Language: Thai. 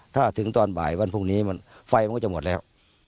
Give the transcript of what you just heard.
ถ้าถึงตอนบ่ายวันพรุ่งนี้ไฟมันก็จะหมดแล้ว